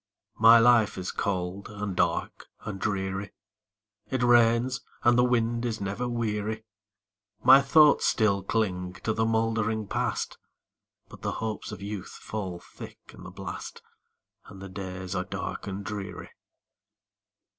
My life is cold, and dark, and dreary; It rains, and the wind is never weary; My thoughts still cling to the mouldering Past, But the hopes of youth fall thick in the blast, And the days are dark and dreary.